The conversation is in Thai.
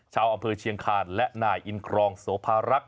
ชาวอำเภอเชียงคานและนายอินครองโสภารักษ